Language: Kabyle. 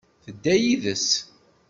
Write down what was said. Tedda yid-s.